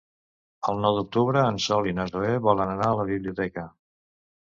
El nou d'octubre en Sol i na Zoè volen anar a la biblioteca.